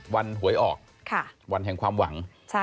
หวยออกวันแห่งความหวัง